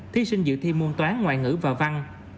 thí sinh dự thi môn toán ngoại ngữ và văn